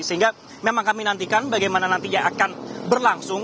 sehingga memang kami nantikan bagaimana nantinya akan berlangsung